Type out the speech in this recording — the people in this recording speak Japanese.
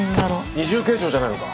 二重計上じゃないのか？